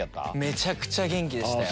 めちゃくちゃ元気でしたよ。